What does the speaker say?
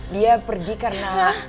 dia pergi karena